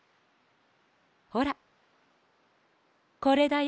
ほらこれだよ。